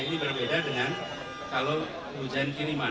ini berbeda dengan kalau hujan kiriman